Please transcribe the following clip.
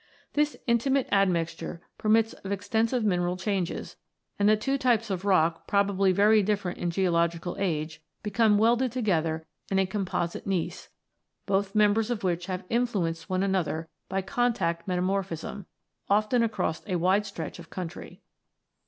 This intimate ad mixture permits of extensive mineral changes, and the two types of rock, probably very different in geological age, become welded together into a com posite gneiss, both members of which have influenced one another by contact metamorphism, often across a wide stretch of country (Fig.